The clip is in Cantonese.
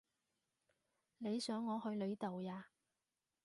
你想我去你度呀？